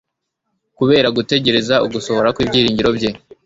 Kubera gutegereza ugusohora kw'ibyiringiro bye,